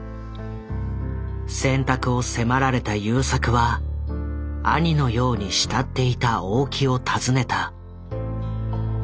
選択を迫られた優作は兄のように慕っていた大木を訪ねた。